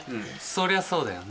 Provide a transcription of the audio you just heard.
そりゃそうだよね。